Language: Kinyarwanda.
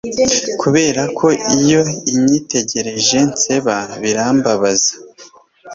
kubera ko iyo unyitegereje nseba birambabaza